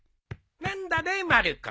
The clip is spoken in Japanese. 何だねまる子。